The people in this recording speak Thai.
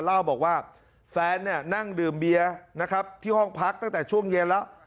เล่าบอกว่าแฟนเนี่ยนั่งดื่มเบียร์นะครับที่ห้องพักตั้งแต่ช่วงเย็นแล้ว